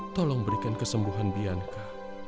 tolong berikan kesembuhan bianca